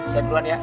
saya duluan ya